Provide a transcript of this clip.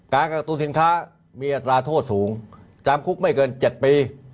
การกระตุ้นสินค้ามีอัตราโทษสูงจำคุกไม่เกิน๗ปี